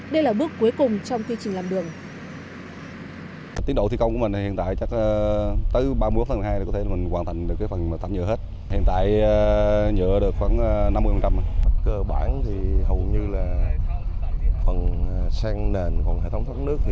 đây là bước cuối cùng trong quy trình làm đường